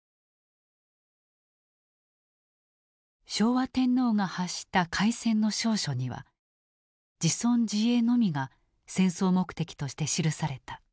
昭和天皇が発した開戦の詔書には自存自衛のみが戦争目的として記された。